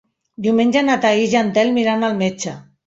Diumenge na Thaís i en Telm iran al metge.